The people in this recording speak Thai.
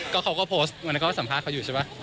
เขาก็โพสต์วันนั้นก็สัมภาษณ์เขาอยู่ใช่ป่ะ